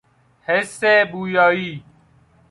حس بویایی